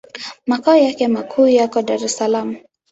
Makao yake makuu yako Dar es Salaam.